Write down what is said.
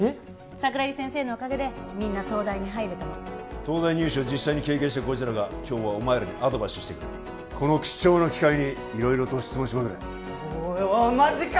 桜木先生のおかげでみんな東大に入れたの東大入試を実際に経験したこいつらが今日はお前らにアドバイスしてくれるこの貴重な機会に色々と質問しまくれおいおいマジか！